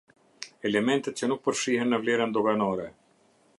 Elementet që nuk përfshihen në vlerën doganore.